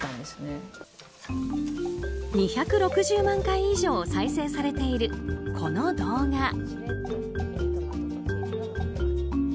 ２６０万回以上再生されているこの動画。